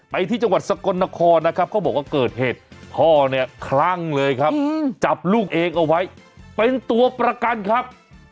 ไปที่จังหวัดสกลนครนะครับเขาบอกว่าเกิดเหตุพ่อเนี่ยคลั่งเลยครับจับลูกเองเอาไว้เป็นตัวประกันครับ